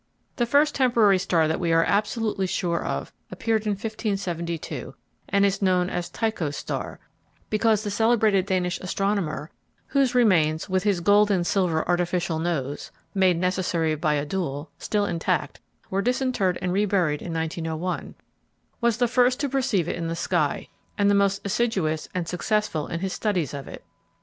The first temporary star that we are absolutely sure of appeared in 1572, and is known as "Tycho's Star," because the celebrated Danish astronomer (whose remains, with his gold and silver artificial nose—made necessary by a duel—still intact, were disinterred and reburied in 1901) was the first to perceive it in the sky, and the most assiduous and successful in his studies of it.